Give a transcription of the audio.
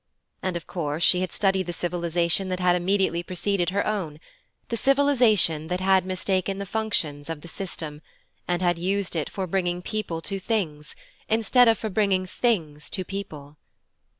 And of course she had studied the civilization that had immediately preceded her own the civilization that had mistaken the functions of the system, and had used it for bringing people to things, instead of for bringing things to people.